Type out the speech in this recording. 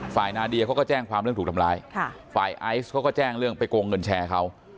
ฝ่ายนาเดียก็แจ้งว่าทำร้ายฝ่ายไอซ์ก็แจ้งล่วงเงินแชร์เขา